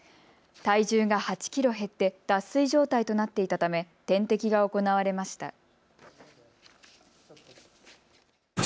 体重が８キロ減って脱水状態となっていたため点滴が行われました。